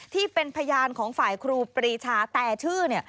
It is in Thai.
ที่เป็นพยานของฝ่ายครูปรีชาแต่ชื่อเนี่ย